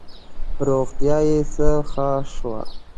روغتیا یې څه ښه شوه.